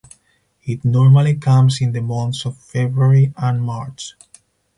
It normally comes in the months of February and March.